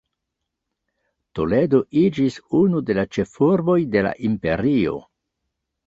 Toledo iĝis unu de la ĉefurboj de la imperio.